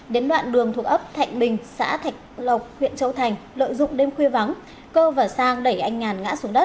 đến đoạn đường thuộc ấp thạnh bình xã thạch lộc huyện châu thành lợi dụng đêm khuya vắng cơ và sang đẩy anh ngàn ngã xuống đất